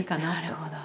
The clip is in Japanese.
なるほど。